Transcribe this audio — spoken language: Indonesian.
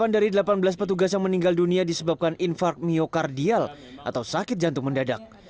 delapan dari delapan belas petugas yang meninggal dunia disebabkan infard myokardial atau sakit jantung mendadak